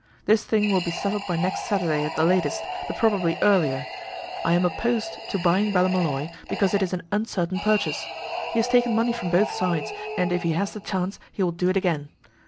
This thing will be settled by next Saturday at the latest, but probably earlier. I am opposed to buying Ballymolloy, because it is an uncertain purchase. He has taken money from both sides, and if he has the chance he will do it again.